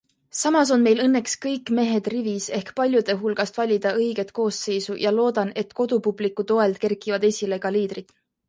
Samas on meil õnneks kõik mehed rivis ehk paljude hulgast valida õiget koosseisu ja loodan, et kodupubliku toel kerkivad esile ka liidrid.